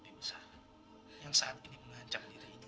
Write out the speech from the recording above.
tidak ada yang bisa menghentikan diri mereka